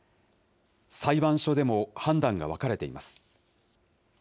裁判所でも判断が分かれています。